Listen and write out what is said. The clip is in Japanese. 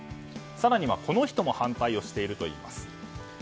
更にはこの人も反対しているといいます。